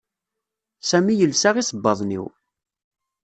Sami yelsa isebbaḍen iw